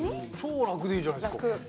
超楽でいいじゃないですか。